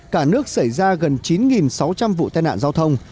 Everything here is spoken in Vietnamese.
cả nước xảy ra gần chín sáu trăm linh vụ tai nạn giao thông